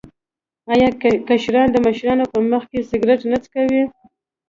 آیا کشران د مشرانو په مخ کې سګرټ نه څکوي؟